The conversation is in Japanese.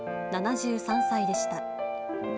７３歳でした。